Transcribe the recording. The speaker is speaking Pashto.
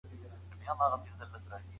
ما د لوبو لپاره تمرين کړی دی.